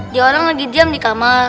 dia orang lagi diam di kamar